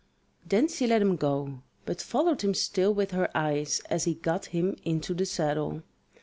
Then she let him go, but followed him still with her eyes as he gat him into the saddle.